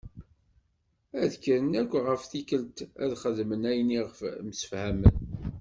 Ad kren akk ɣef tikelt ad xedmen ayen i ɣef msefhamen.